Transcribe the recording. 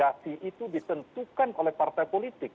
nah kandidasi itu ditentukan oleh partai politik